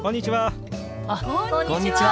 こんにちは！